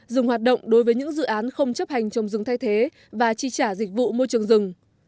dừng hoạt động đối với những dự án không chấp hành trồng rừng thay thế và chi trả dịch vụ môi trường rừng